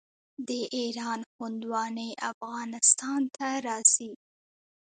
د ایران هندواڼې افغانستان ته راځي.